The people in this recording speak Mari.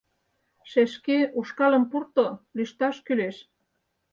Шешке, ушкалым пурто, лӱшташ кӱлеш.